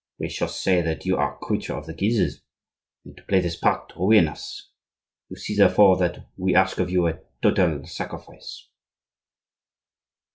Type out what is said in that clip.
We shall say that you are a creature of the Guises, made to play this part to ruin us. You see therefore that we ask of you a total sacrifice."